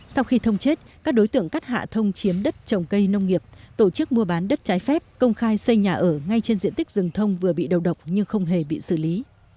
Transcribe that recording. sau khi thông chết các đối tượng cắt hạ thông chiếm đất trồng cây nông nghiệp tổ chức mua bán đất trái phép công khai xây nhà ở ngay trên diện tích rừng thông vừa bị đầu độc nhưng không hề bị xử lý